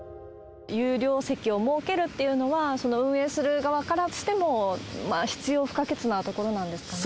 有料席を設けるっていうのは、運営する側からしても必要不可欠なところなんですかね。